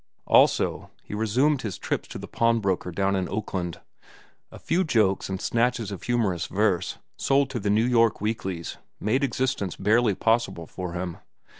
Also, he resumed his trips to the pawn broker down in Oakland. A few jokes and snatches of humorous verse, sold to the New York weeklies, made existence barely possible for him.